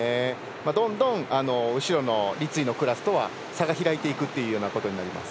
どんどん後ろの立位のクラスとは差が開いていくというようなことになります。